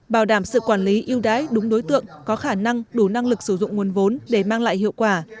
bảo đảm sự quản lý yêu đáy đúng đối tượng có khả năng đủ năng lực sử dụng nguồn vốn để mang lại hiệu quả